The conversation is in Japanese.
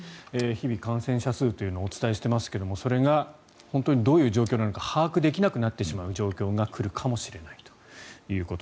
日々、感染者数というのをお伝えしてますがそれが本当にどういう状況なのか把握できなくなってしまう状況が来るかもしれないと。